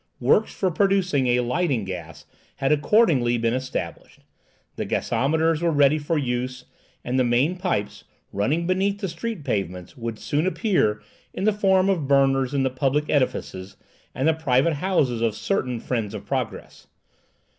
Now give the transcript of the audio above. Works for producing a lighting gas had accordingly been established; the gasometers were ready for use, and the main pipes, running beneath the street pavements, would soon appear in the form of burners in the public edifices and the private houses of certain friends of progress.